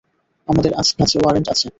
আমাদের কাছে ওয়ারেন্ট আছে!